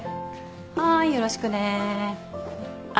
はーいよろしくね。